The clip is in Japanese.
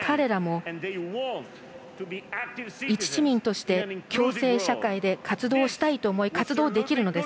彼らも、一市民として共生社会で活動したいと思い活動できるのです。